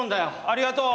ありがとう！